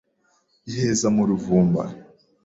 Iheza mu ruvumba